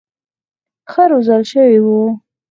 ښه روزل شوي وو.